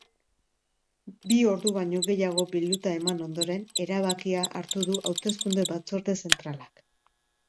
Bi ordu baino gehiago bilduta eman ondoren, erabakia hartu du hauteskunde-batzorde zentralak.